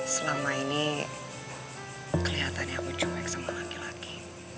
selama ini kelihatannya aku comek sama laki laki